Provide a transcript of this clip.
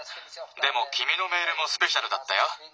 でもきみのメールもスペシャルだったよ。